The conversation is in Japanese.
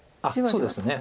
そうですね。